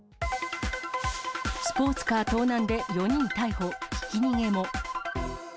スポーツカー盗難で４人逮捕、ひき逃げも。